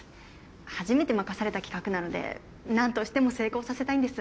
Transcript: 初めて任された企画なのでなんとしても成功させたいんです。